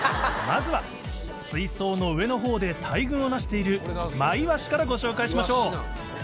まずは水槽の上のほうで大群をなしている、マイワシからご紹介しましょう。